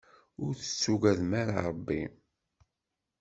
Ur tettagadem ara Rebbi?